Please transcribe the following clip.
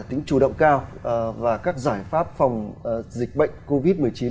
tính chủ động cao và các giải pháp phòng dịch bệnh covid một mươi chín